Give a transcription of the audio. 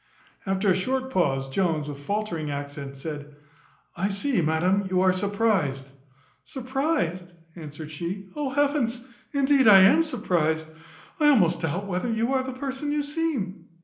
After a short pause, Jones, with faultering accents, said "I see, madam, you are surprized." "Surprized!" answered she; "Oh heavens! Indeed, I am surprized. I almost doubt whether you are the person you seem."